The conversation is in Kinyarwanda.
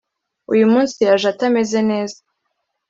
uyu munsi yaje atameze neza